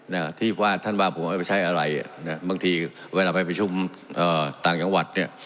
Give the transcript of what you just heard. นะครับที่ว่าท่านบ้านไม่ใช่อะไรบางทีเวลาไปประชุมต่างจังหวัด